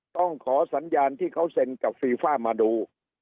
ต้องขอสัญญาณที่เขาเซ็นกับฟีฟ่ามาดู